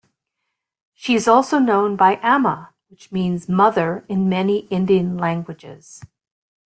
She is also known by Amma, which means 'Mother' in many Indian languages.